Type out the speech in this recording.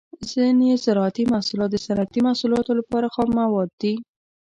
ځینې زراعتي محصولات د صنعتي محصولاتو لپاره خام مواد دي.